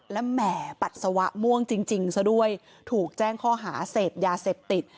และแหมปัสสาวะม่วงจริงซะด้วยถูกแจ้งข้อหาเสพยาเสพติด